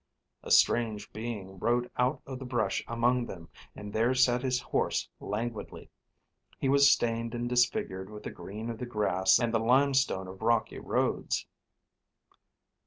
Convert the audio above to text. A strange being rode out of the brush among them, and there sat his horse languidly. He was stained and disfigured with the green of the grass and the limestone of rocky roads.